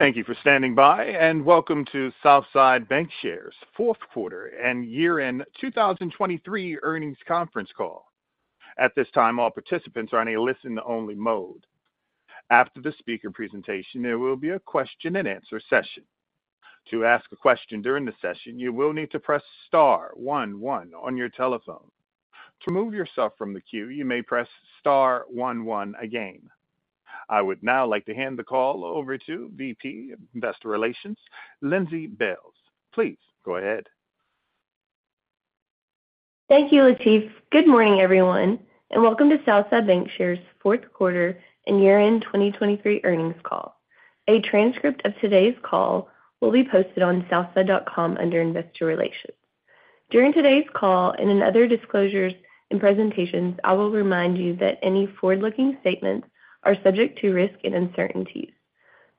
Thank you for standing by, and welcome to Southside Bancshares' fourth quarter and year-end 2023 earnings conference call. At this time, all participants are in a listen-only mode. After the speaker presentation, there will be a question-and-answer session. To ask a question during the session, you will need to press star one one on your telephone. To remove yourself from the queue, you may press star one one again. I would now like to hand the call over to VP Investor Relations, Lindsey Bailes. Please go ahead. Thank you, Latif. Good morning, everyone, and welcome to Southside Bancshares' fourth quarter and year-end 2023 earnings call. A transcript of today's call will be posted on southside.com under Investor Relations. During today's call, and in other disclosures and presentations, I will remind you that any forward-looking statements are subject to risk and uncertainties.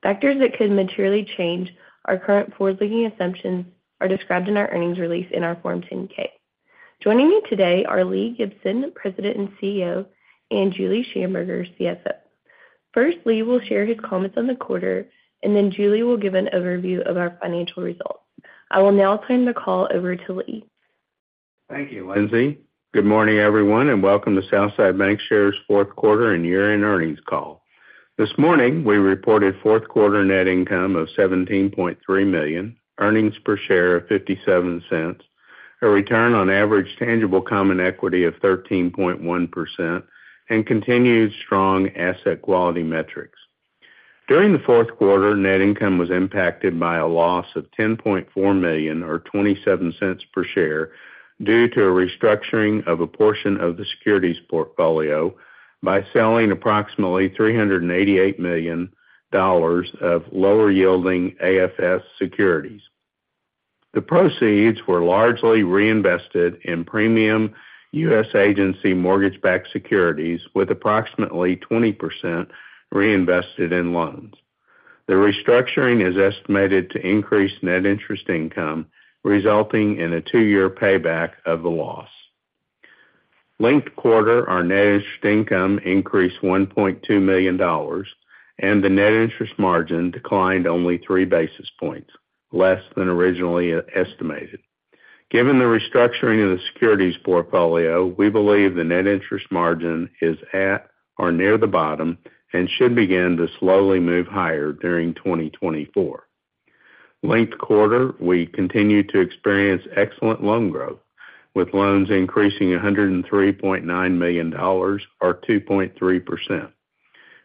Factors that could materially change our current forward-looking assumptions are described in our earnings release in our Form 10-K. Joining me today are Lee Gibson, President and CEO, and Julie Shamburger, CFO. First, Lee will share his comments on the quarter, and then Julie will give an overview of our financial results. I will now turn the call over to Lee. Thank you, Lindsey. Good morning, everyone, and welcome to Southside Bancshares' fourth quarter and year-end earnings call. This morning, we reported fourth quarter net income of $17.3 million, earnings per share of $0.57, a return on average tangible common equity of 13.1%, and continued strong asset quality metrics. During the fourth quarter, net income was impacted by a loss of $10.4 million or $0.27 per share due to a restructuring of a portion of the securities portfolio by selling approximately $388 million of lower-yielding AFS securities. The proceeds were largely reinvested in premium U.S. agency mortgage-backed securities, with approximately 20% reinvested in loans. The restructuring is estimated to increase net interest income, resulting in a two-year payback of the loss. Linked quarter, our net interest income increased $1.2 million, and the net interest margin declined only 3 basis points, less than originally estimated. Given the restructuring of the securities portfolio, we believe the net interest margin is at or near the bottom and should begin to slowly move higher during 2024. Linked quarter, we continued to experience excellent loan growth, with loans increasing $103.9 million or 2.3%.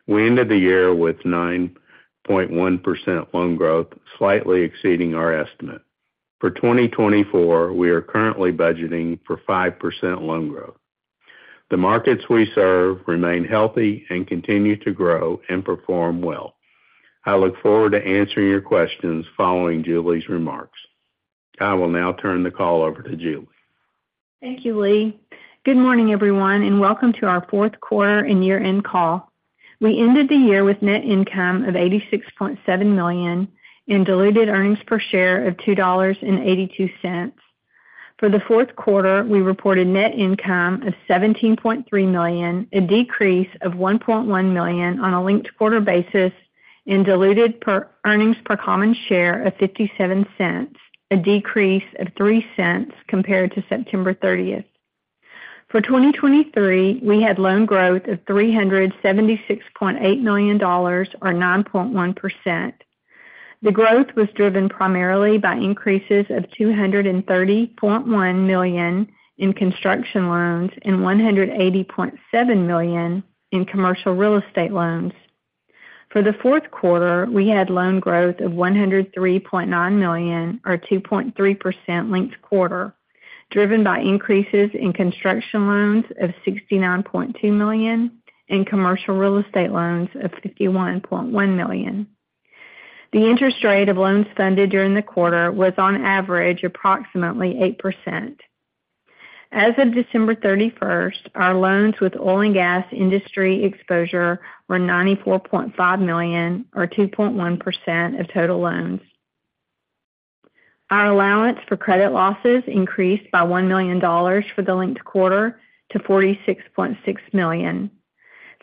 We ended the year with 9.1% loan growth, slightly exceeding our estimate. For 2024, we are currently budgeting for 5% loan growth. The markets we serve remain healthy and continue to grow and perform well. I look forward to answering your questions following Julie's remarks. I will now turn the call over to Julie. Thank you, Lee. Good morning, everyone, and welcome to our fourth quarter and year-end call. We ended the year with net income of $86.7 million and diluted earnings per share of $2.82. For the fourth quarter, we reported net income of $17.3 million, a decrease of $1.1 million on a linked quarter basis and diluted earnings per common share of $0.57, a decrease of $0.03 compared to September 30. For 2023, we had loan growth of $376.8 million or 9.1%. The growth was driven primarily by increases of $230.1 million in construction loans and $180.7 million in commercial real estate loans. For the fourth quarter, we had loan growth of $103.9 million or 2.3% linked quarter, driven by increases in construction loans of $69.2 million and commercial real estate loans of $51.1 million. The interest rate of loans funded during the quarter was on average, approximately 8%. As of December thirty-first, our loans with oil and gas industry exposure were $94.5 million or 2.1% of total loans. Our allowance for credit losses increased by $1 million for the linked quarter to $46.6 million.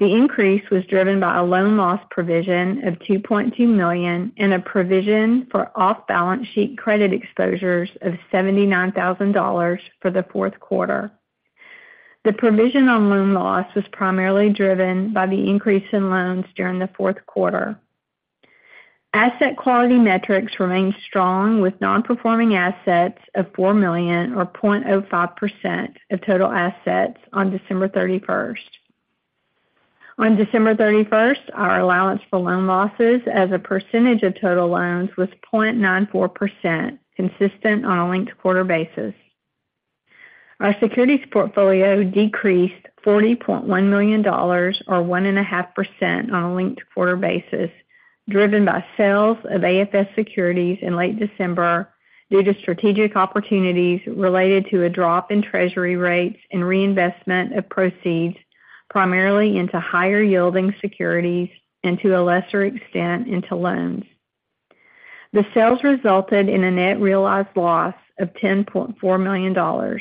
The increase was driven by a loan loss provision of $2.2 million and a provision for off-balance sheet credit exposures of $79,000 for the fourth quarter. The provision on loan loss was primarily driven by the increase in loans during the fourth quarter. Asset quality metrics remained strong, with non-performing assets of $4 million, or 0.05% of total assets on December 31. On December 31, our allowance for loan losses as a percentage of total loans was 0.94%, consistent on a linked quarter basis. Our securities portfolio decreased $40.1 million or 1.5% on a linked quarter basis, driven by sales of AFS securities in late December due to strategic opportunities related to a drop in Treasury rates and reinvestment of proceeds, primarily into higher-yielding securities and to a lesser extent, into loans. The sales resulted in a net realized loss of $10.4 million.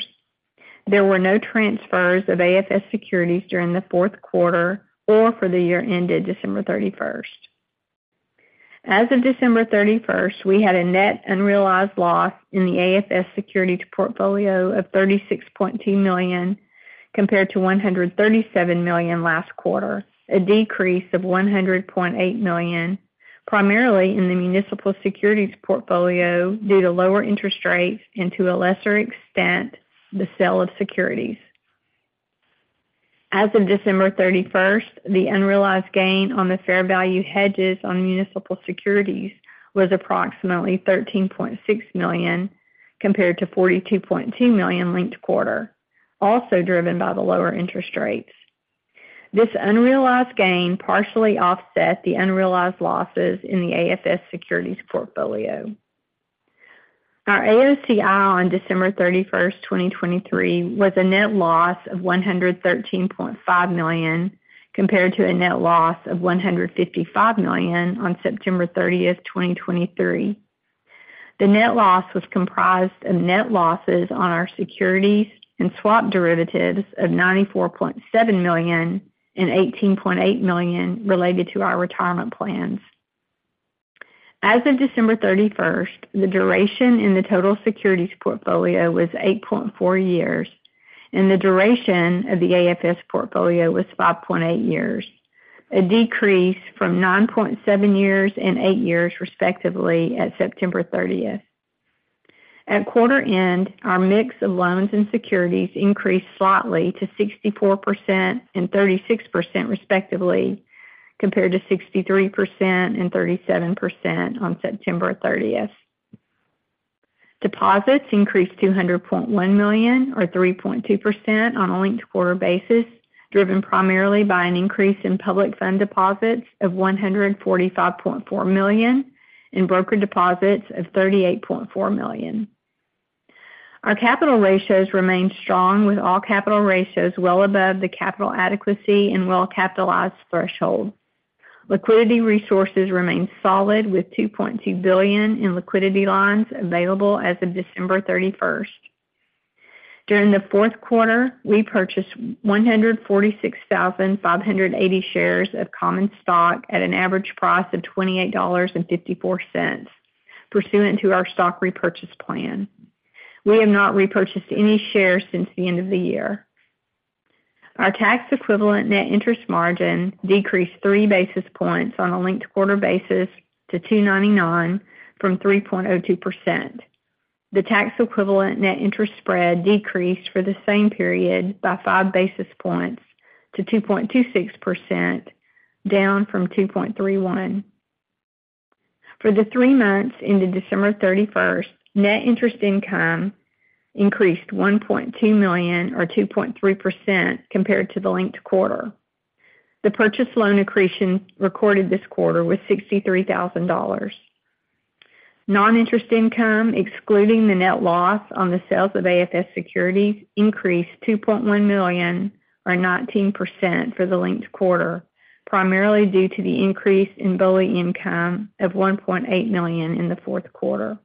There were no transfers of AFS securities during the fourth quarter or for the year ended December 31. As of December 31, we had a net unrealized loss in the AFS securities portfolio of $36.2 million, compared to $137 million last quarter, a decrease of $100.8 million, primarily in the municipal securities portfolio, due to lower interest rates and, to a lesser extent, the sale of securities. As of December 31, the unrealized gain on the fair value hedges on municipal securities was approximately $13.6 million, compared to $42.2 million linked quarter, also driven by the lower interest rates. This unrealized gain partially offset the unrealized losses in the AFS securities portfolio. Our AOCI on December 31, 2023, was a net loss of $113.5 million, compared to a net loss of $155 million on September 30, 2023. The net loss was comprised of net losses on our securities and swap derivatives of $94.7 million and $18.8 million related to our retirement plans. As of December thirty-first, the duration in the total securities portfolio was 8.4 years, and the duration of the AFS portfolio was 5.8 years, a decrease from 9.7 years and eight years, respectively, at September thirtieth. At quarter end, our mix of loans and securities increased slightly to 64% and 36%, respectively, compared to 63% and 37% on September thirtieth. Deposits increased $200.1 million, or 3.2% on a linked quarter basis, driven primarily by an increase in public fund deposits of $145.4 million and brokered deposits of $38.4 million. Our capital ratios remained strong, with all capital ratios well above the capital adequacy and well-capitalized threshold. Liquidity resources remained solid, with $2.2 billion in liquidity lines available as of December 31. During the fourth quarter, we purchased 146,580 shares of common stock at an average price of $28.54, pursuant to our stock repurchase plan. We have not repurchased any shares since the end of the year. Our tax equivalent net interest margin decreased 3 basis points on a linked quarter basis to 2.99% from 3.02%. The tax equivalent net interest spread decreased for the same period by 5 basis points to 2.26%, down from 2.31%. For the three months ended December 31, net interest income increased $1.2 million or 2.3% compared to the linked quarter. The purchased loan accretion recorded this quarter was $63,000. Non-interest income, excluding the net loss on the sales of AFS securities, increased $2.1 million, or 19% for the linked quarter, primarily due to the increase in BOLI income of $1.8 million in the fourth quarter.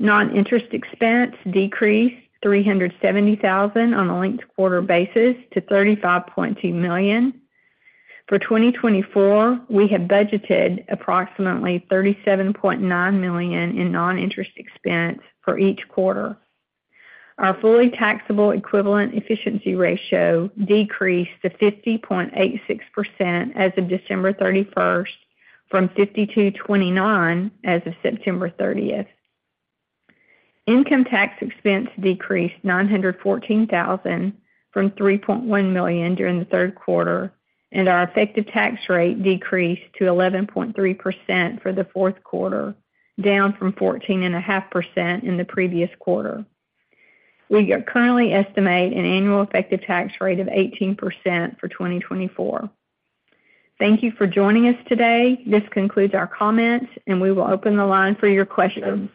Non-interest expense decreased $370,000 on a linked quarter basis to $35.2 million. For 2024, we have budgeted approximately $37.9 million in non-interest expense for each quarter. Our fully taxable equivalent efficiency ratio decreased to 50.86% as of December 31 from 52.29% as of September 30. Income tax expense decreased $914,000 from $3.1 million during the third quarter, and our effective tax rate decreased to 11.3% for the fourth quarter, down from 14.5% in the previous quarter. We currently estimate an annual effective tax rate of 18% for 2024. Thank you for joining us today. This concludes our comments, and we will open the line for your questions.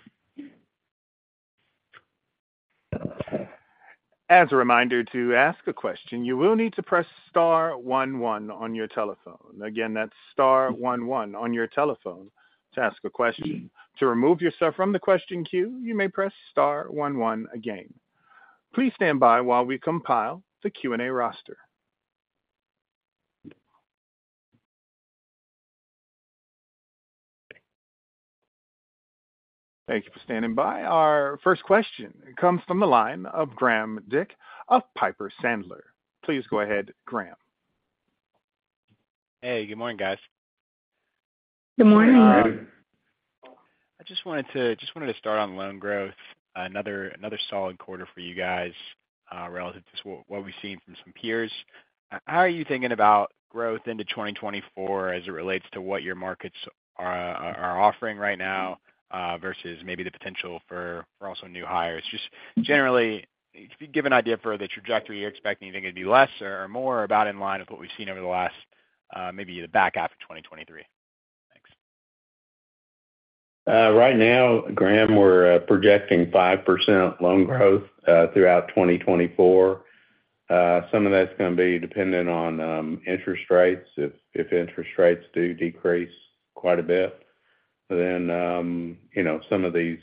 As a reminder, to ask a question, you will need to press star one one on your telephone. Again, that's star one one on your telephone to ask a question. To remove yourself from the question queue, you may press star one one again. Please stand by while we compile the Q&A roster. Thank you for standing by. Our first question comes from the line of Graham Dick of Piper Sandler. Please go ahead, Graham. Hey, good morning, guys. Good morning. I just wanted to, just wanted to start on loan growth. Another, another solid quarter for you guys, relative to what, what we've seen from some peers. How are you thinking about growth into 2024 as it relates to what your markets are, are offering right now, versus maybe the potential for, for also new hires? Just generally, if you give an idea for the trajectory you're expecting, it to be less or more about in line with what we've seen over the last, maybe the back half of 2023. Thanks. Right now, Graham, we're projecting 5% loan growth throughout 2024. Some of that's gonna be dependent on interest rates. If interest rates do decrease quite a bit, then you know, some of these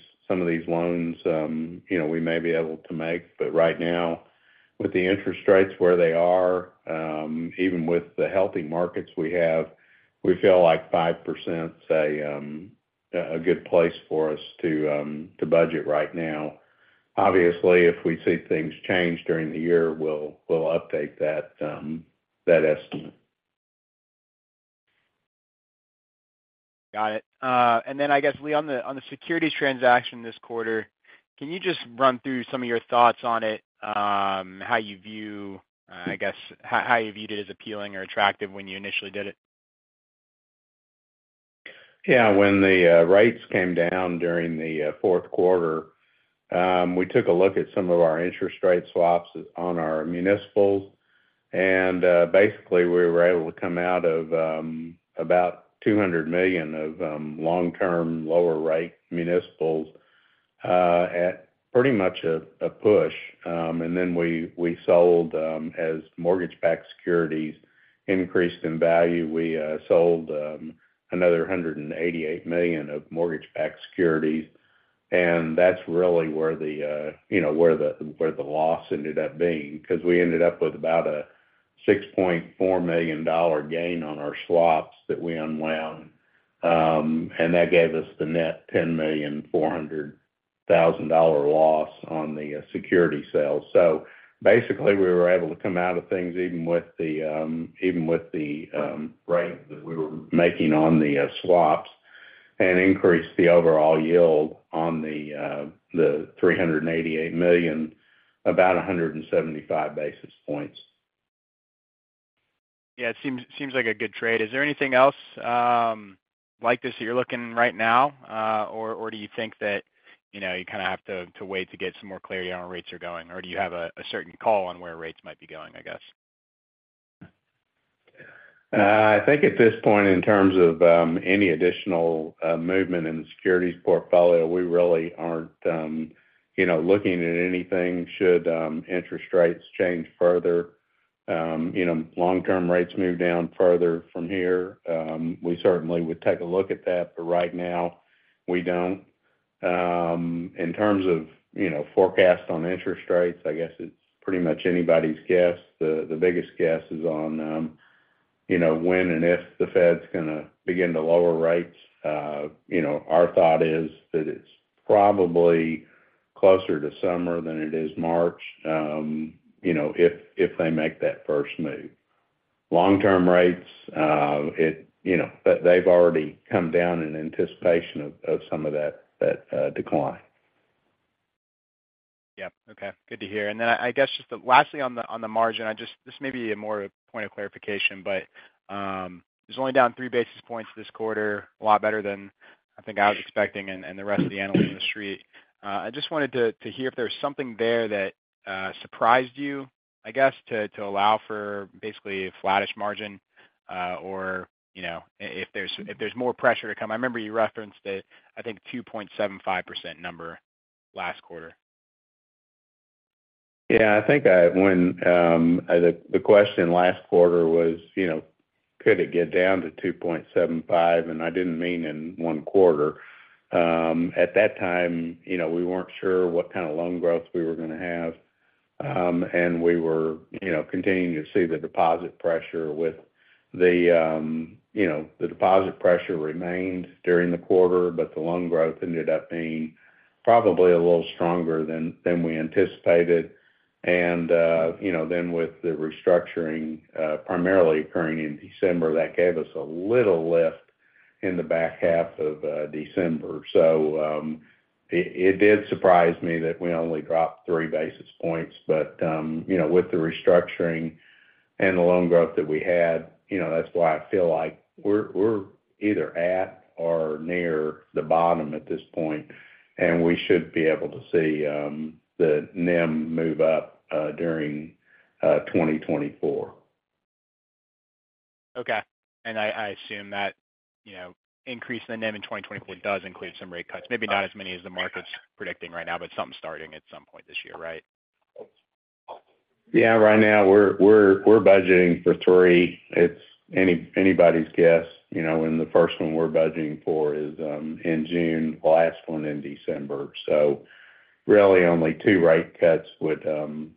loans, you know, we may be able to make. But right now, with the interest rates where they are, even with the healthy markets we have, we feel like 5%'s a good place for us to budget right now. Obviously, if we see things change during the year, we'll update that estimate. Got it. And then, I guess, Lee, on the securities transaction this quarter, can you just run through some of your thoughts on it? How you view, I guess, how you viewed it as appealing or attractive when you initially did it? Yeah, when the rates came down during the fourth quarter, we took a look at some of our interest rate swaps on our municipals, and basically, we were able to come out of about $200 million of long-term, lower-rate municipals at pretty much a push. And then we sold, as mortgage-backed securities increased in value, we sold another $188 million of mortgage-backed securities, and that's really where you know the loss ended up being. Because we ended up with about a $6.4 million gain on our swaps that we unwound. And that gave us the net $10.4 million loss on the security sale. So basically, we were able to come out of things, even with the rate that we were making on the swaps and increase the overall yield on the $388 million, about 175 basis points. Yeah, it seems like a good trade. Is there anything else, like this, that you're looking right now? Or do you think that, you know, you kind of have to wait to get some more clarity on where rates are going? Or do you have a certain call on where rates might be going, I guess? I think at this point, in terms of any additional movement in the securities portfolio, we really aren't, you know, looking at anything. Should interest rates change further, you know, long-term rates move down further from here, we certainly would take a look at that, but right now, we don't. In terms of, you know, forecasts on interest rates, I guess it's pretty much anybody's guess. The biggest guess is on, you know, when and if the Fed's going to begin to lower rates. You know, our thought is that it's probably closer to summer than it is March, you know, if they make that first move. Long-term rates, you know, but they've already come down in anticipation of some of that decline. Yep. Okay, good to hear. And then I guess just lastly on the margin, I just. This may be more a point of clarification, but it's only down three basis points this quarter, a lot better than I think I was expecting and the rest of the analysts in the street. I just wanted to hear if there was something there that surprised you, I guess, to allow for basically a flattish margin, or you know if there's more pressure to come. I remember you referenced the I think 2.75% number last quarter. Yeah, I think, when the question last quarter was, you know, could it get down to 2.75, and I didn't mean in one quarter. At that time, you know, we weren't sure what kind of loan growth we were going to have. And we were, you know, continuing to see the deposit pressure with the, you know, the deposit pressure remained during the quarter, but the loan growth ended up being probably a little stronger than we anticipated. And, you know, then with the restructuring, primarily occurring in December, that gave us a little lift in the back half of December. So, it did surprise me that we only dropped three basis points, but, you know, with the restructuring and the loan growth that we had, you know, that's why I feel like we're either at or near the bottom at this point, and we should be able to see the NIM move up during 2024. Okay. And I, I assume that, you know, increase the NIM in 2024 does include some rate cuts, maybe not as many as the market's predicting right now, but some starting at some point this year, right? Yeah. Right now, we're budgeting for three. It's anybody's guess, you know, and the first one we're budgeting for is in June, the last one in December. So really only two rate cuts would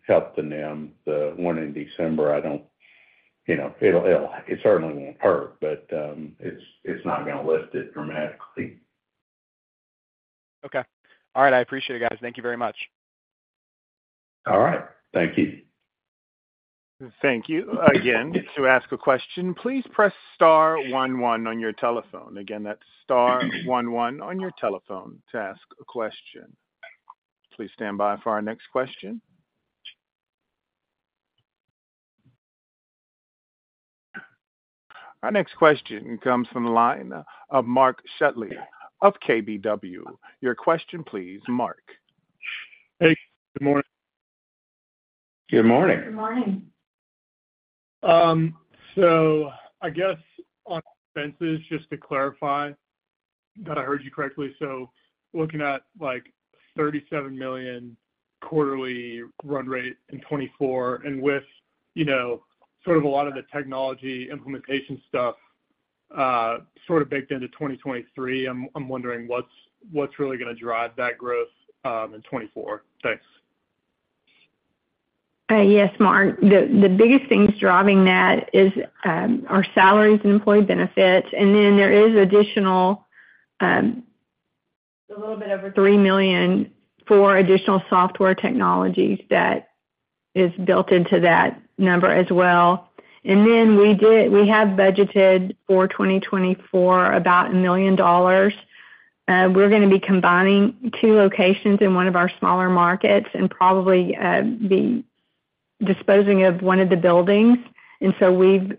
help the NIM. The one in December, I don't. You know, it'll certainly won't hurt, but it's not going to lift it dramatically. Okay. All right. I appreciate it, guys. Thank you very much. All right. Thank you. Thank you. Again, to ask a question, please press star one one on your telephone. Again, that's star one one on your telephone to ask a question. Please stand by for our next question. Our next question comes from the line of Mark Shutley of KBW. Your question, please, Woody. Hey, good morning. Good morning. Good morning. So I guess on expenses, just to clarify that I heard you correctly. So looking at, like, $37 million quarterly run rate in 2024, and with, you know, sort of a lot of the technology implementation stuff, sort of baked into 2023, I'm wondering what's really gonna drive that growth in 2024? Thanks. Yes, Mark. The biggest things driving that are salaries and employee benefits, and then there is additional, a little bit over $3 million for additional software technologies that is built into that number as well. And then we have budgeted for 2024 about $1 million. We're gonna be combining two locations in one of our smaller markets and probably be disposing of one of the buildings. And so we've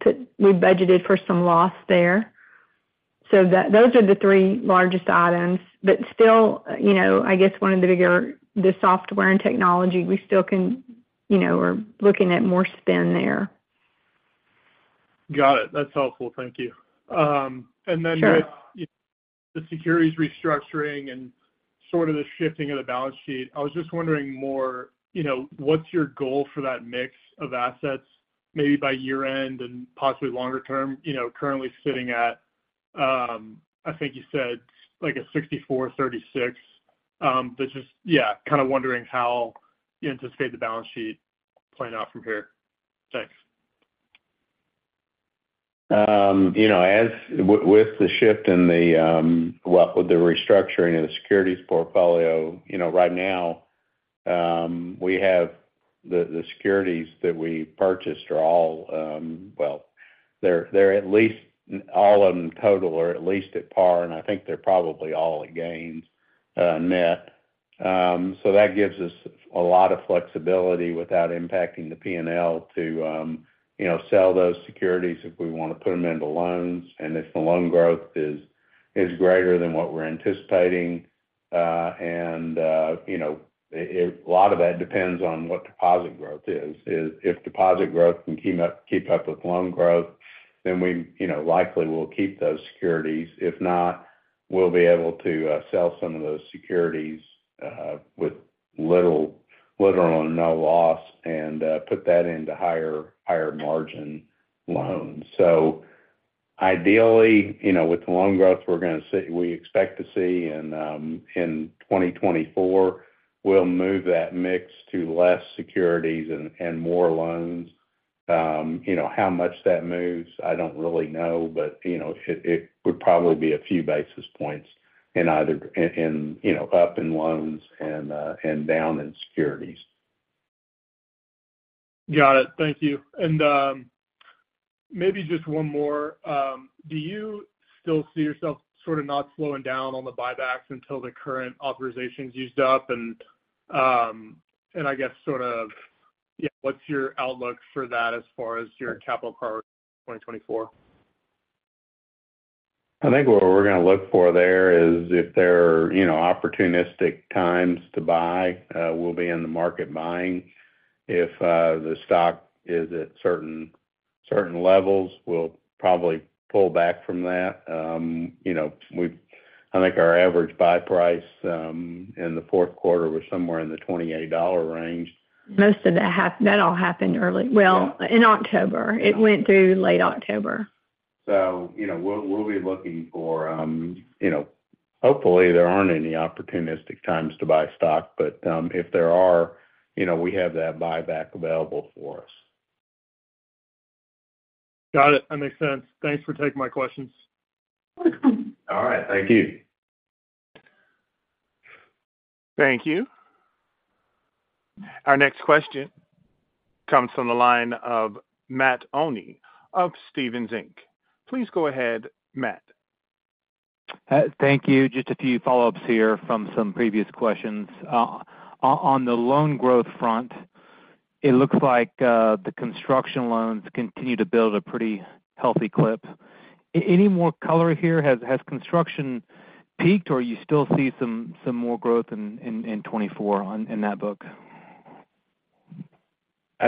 put—we've budgeted for some loss there. So those are the three largest items. But still, you know, I guess one of the bigger, the software and technology, we still can, you know, we're looking at more spend there. Got it. That's helpful. Thank you. And then- Sure. The securities restructuring and sort of the shifting of the balance sheet, I was just wondering more, you know, what's your goal for that mix of assets, maybe by year-end and possibly longer term? You know, currently sitting at, I think you said, like, a 64/36. But just, yeah, kind of wondering how you anticipate the balance sheet playing out from here. Thanks. You know, with the shift in the, well, with the restructuring of the securities portfolio, you know, right now, we have the securities that we purchased are all. Well, they're at least all of them total or at least at par, and I think they're probably all at gains, net. So that gives us a lot of flexibility without impacting the P&L to, you know, sell those securities if we want to put them into loans. And if the loan growth is greater than what we're anticipating, and you know, a lot of that depends on what deposit growth is. If deposit growth can keep up with loan growth, then we, you know, likely will keep those securities. If not, we'll be able to sell some of those securities with little or no loss and put that into higher-margin loans. So ideally, you know, with the loan growth we're gonna see—we expect to see in 2024, we'll move that mix to less securities and more loans. You know, how much that moves? I don't really know, but, you know, it would probably be a few basis points in either, you know, up in loans and down in securities. Got it. Thank you. And maybe just one more. Do you still see yourself sort of not slowing down on the buybacks until the current authorization is used up? And I guess sort of what's your outlook for that as far as your capital power in 2024? I think what we're gonna look for there is, if there are, you know, opportunistic times to buy, we'll be in the market buying. If the stock is at certain, certain levels, we'll probably pull back from that. You know, we—I think our average buy price in the fourth quarter was somewhere in the $28 range. Most of that. That all happened early. Well, in October. It went through late October. So, you know, we'll be looking for, you know. Hopefully, there aren't any opportunistic times to buy stock, but if there are, you know, we have that buyback available for us. Got it. That makes sense. Thanks for taking my questions. Welcome. All right. Thank you. Thank you. Our next question comes from the line of Matt Olney of Stephens Inc. Please go ahead, Matt. Thank you. Just a few follow-ups here from some previous questions. On the loan growth front, it looks like the construction loans continue to build a pretty healthy clip. Any more color here? Has construction peaked, or you still see some more growth in 2024 in that book? I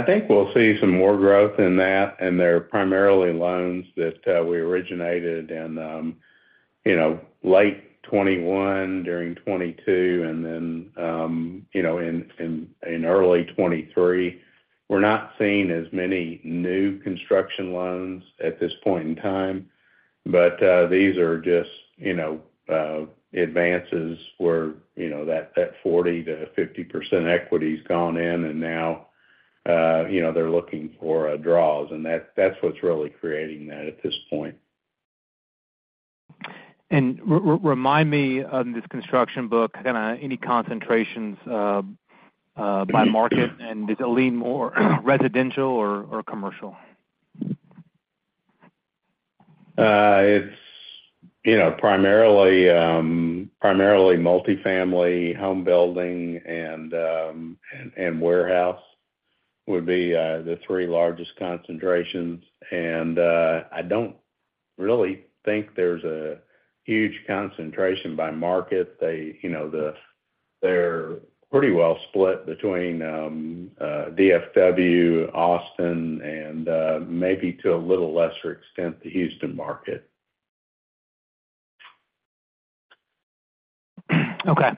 think we'll see some more growth in that, and they're primarily loans that we originated in, you know, late 2021, during 2022, and then, you know, in, in, in early 2023. We're not seeing as many new construction loans at this point in time, but these are just, you know, advances where, you know, that, that 40%-50% equity's gone in, and now, you know, they're looking for draws. And that- that's what's really creating that at this point. Remind me of this construction book, kinda any concentrations by market, and does it lean more residential or commercial? It's, you know, primarily, primarily multifamily, home building, and, and, and warehouse would be the three largest concentrations. I don't really think there's a huge concentration by market. They, you know, they're pretty well split between DFW, Austin, and maybe to a little lesser extent, the Houston market. Okay.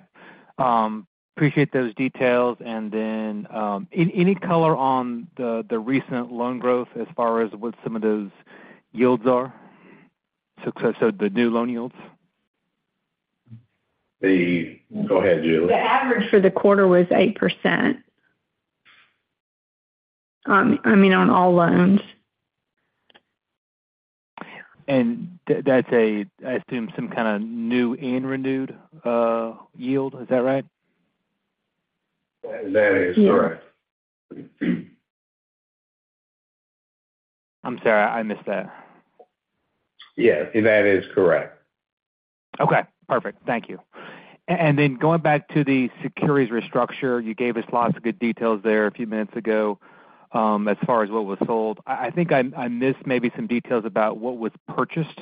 Appreciate those details. And then, any color on the recent loan growth as far as what some of those yields are? Success of the new loan yields? Go ahead, Julie. The average for the quarter was 8%. I mean, on all loans. And that's, I assume, some kind of new and renewed yield. Is that right? That is correct. Yes. I'm sorry, I missed that. Yes, that is correct. Okay, perfect. Thank you. And then going back to the securities restructure, you gave us lots of good details there a few minutes ago, as far as what was sold. I think I missed maybe some details about what was purchased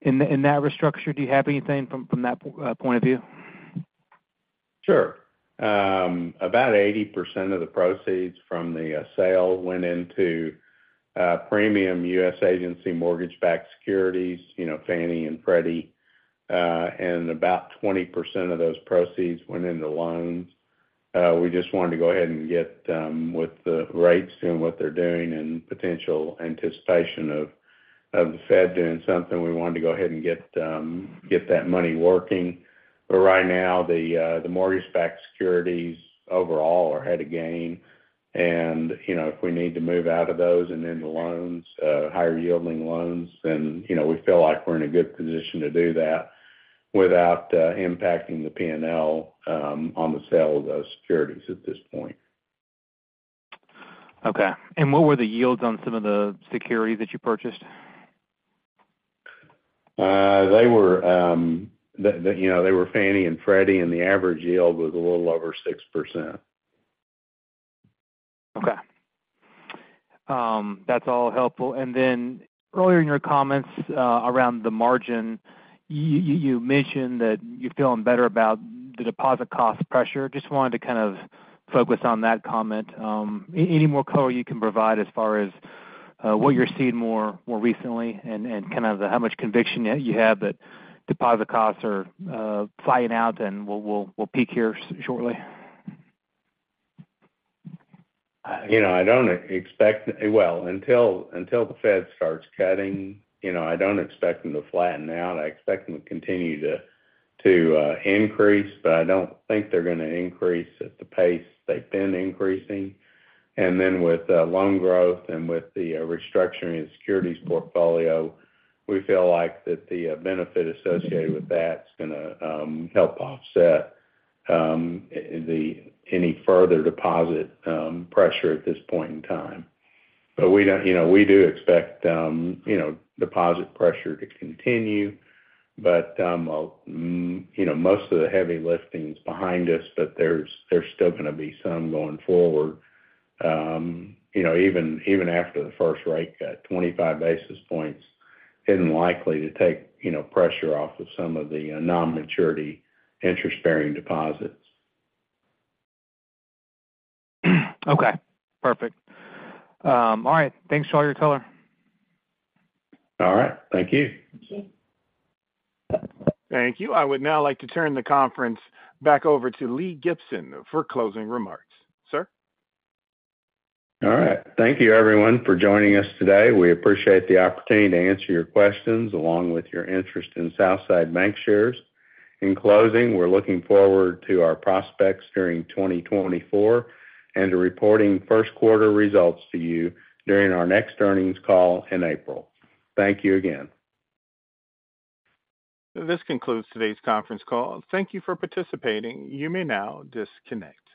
in that restructure. Do you have anything from that point of view? Sure. About 80% of the proceeds from the sale went into premium U.S. agency mortgage-backed securities, you know, Fannie and Freddie. And about 20% of those proceeds went into loans. We just wanted to go ahead and get with the rates doing what they're doing and potential anticipation of the Fed doing something, we wanted to go ahead and get that money working. But right now, the mortgage-backed securities overall are at a gain. And, you know, if we need to move out of those and into loans, higher-yielding loans, then, you know, we feel like we're in a good position to do that without impacting the PNL on the sale of those securities at this point. Okay. And what were the yields on some of the securities that you purchased? They were Fannie and Freddie, and the average yield was a little over 6%. Okay. That's all helpful. And then earlier in your comments, around the margin, you mentioned that you're feeling better about the deposit cost pressure. Just wanted to kind of focus on that comment. Any more color you can provide as far as what you're seeing more recently and kind of how much conviction you have that deposit costs are flatten out and will peak here shortly? You know, I don't expect. Well, until the Fed starts cutting, you know, I don't expect them to flatten out. I expect them to continue to increase, but I don't think they're gonna increase at the pace they've been increasing. And then with loan growth and with the restructuring and securities portfolio, we feel like that the benefit associated with that is gonna help offset any further deposit pressure at this point in time. But we don't, you know, we do expect, you know, deposit pressure to continue, but, you know, most of the heavy lifting is behind us, but there's still gonna be some going forward. You know, even, even after the first rate cut, 25 basis points isn't likely to take, you know, pressure off of some of the, non-maturity interest-bearing deposits. Okay, perfect. All right. Thanks for all your color. All right. Thank you. Thank you. Thank you. I would now like to turn the conference back over to Lee Gibson for closing remarks. Sir? All right. Thank you, everyone, for joining us today. We appreciate the opportunity to answer your questions, along with your interest in Southside Bancshares. In closing, we're looking forward to our prospects during 2024 and to reporting first quarter results to you during our next earnings call in April. Thank you again. This concludes today's conference call. Thank you for participating. You may now disconnect.